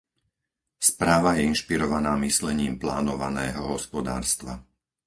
Správa je inšpirovaná myslením plánovaného hospodárstva.